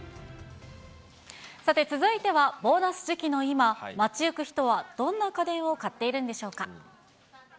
さて、続いては、ボーナス時期の今、街行く人はどんな家電を買っているんでしょうか。